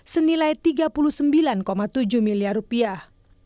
senilai tiga puluh sembilan tujuh miliar rupiah